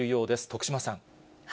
徳島さん。